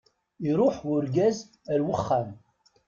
Iruḥ urgaz ar uxxam.